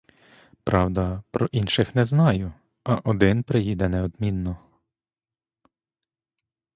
Правда, про інших не знаю, а один приїде неодмінно.